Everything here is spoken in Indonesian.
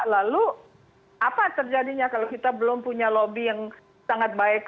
lalu apa terjadinya kalau kita belum punya lobby yang sangat baik